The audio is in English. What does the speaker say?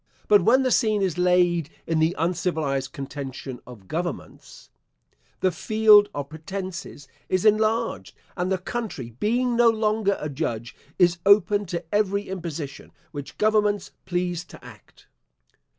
But when the scene is laid in the uncivilised contention of governments, the field of pretences is enlarged, and the country, being no longer a judge, is open to every imposition, which governments please to act.